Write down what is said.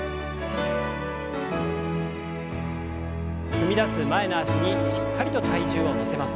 踏み出す前の脚にしっかりと体重を乗せます。